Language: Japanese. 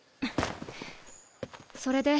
それで？